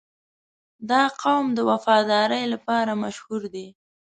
• دا قوم د وفادارۍ لپاره مشهور دی.